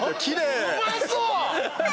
うまそうあ